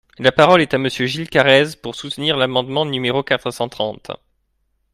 La parole est à Monsieur Gilles Carrez, pour soutenir l’amendement numéro quatre cent trente.